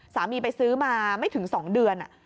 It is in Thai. สามีไปซื้อมาไม่ถึง๒เดือน